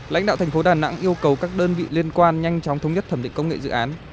lãnh đạo thành phố đà nẵng yêu cầu các đơn vị liên quan nhanh chóng thống nhất thẩm định công nghệ dự án